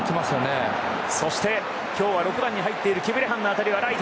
そして今日は６番に入っているキブレハンの当たり！